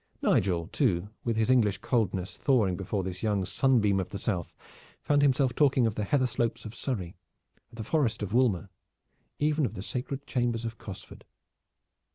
Nigel too, with his English coldness thawing before this young sunbeam of the South, found himself talking of the heather slopes of Surrey, of the forest of Woolmer, even of the sacred chambers of Cosford.